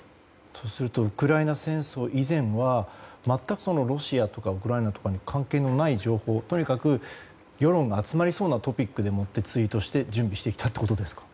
そうするとウクライナ戦争以前は全くロシアとかウクライナに関係のない情報を、とにかく世論が集まりそうなトピックを使って準備してきたってことですか。